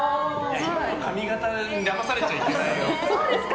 髪形にだまされちゃいけないよ。